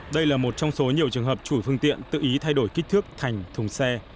đây là một trong số nhiều trường hợp chủ phương tiện tự ý thay đổi kích thước thành thùng xe